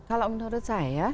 kalau menurut saya